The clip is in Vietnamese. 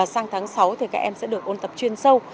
sang tháng sáu thì các em sẽ được ôn tập chuyên sâu